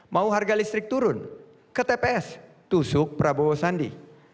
mau harga listrik turun ke tps tusuk prabowo sandi